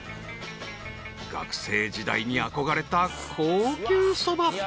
［学生時代に憧れた高級そば］